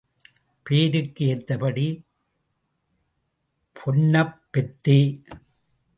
பேருக்கு ஏத்தபடி பொண்ணப் பெத்தே.